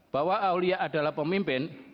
bahwa awliya adalah pemimpin